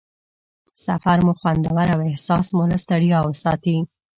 سفر مو خوندور او احساس مو له ستړیا وساتي.